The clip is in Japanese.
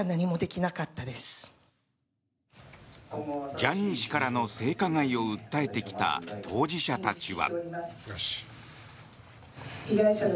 ジャニー氏からの性加害を訴えてきた当事者たちは。